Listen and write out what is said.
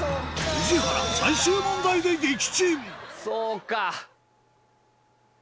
宇治原最終問題で撃沈そうか。